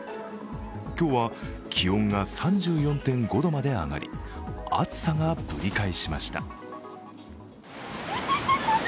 今日は気温が３４．５度まで上がり、暑さがぶり返しました。